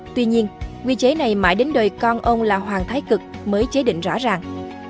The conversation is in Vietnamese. tuy nhiên quy chế này mãi đến đời con ông là hoàng thái cực mới chế định rõ ràng